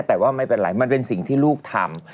แต่ว่าไม่เป็นไรมันเป็นสิ่งที่ลูกทำ